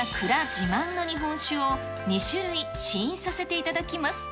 自慢の日本酒を、２種類試飲させていただきます。